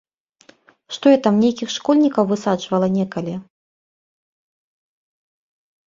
Што я там нейкіх школьнікаў высаджвала некалі.